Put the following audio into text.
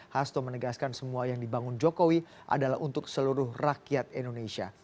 hasto menegaskan semua yang dibangun jokowi adalah untuk seluruh rakyat indonesia